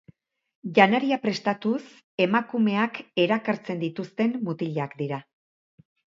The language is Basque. Janaria prestatuz emakumeak erakartzen dituzten mutilak dira.